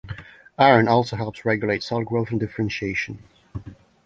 Iron also helps regulate cell growth and differentiation.